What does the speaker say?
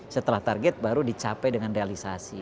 setelah target baru dicapai dengan realisasi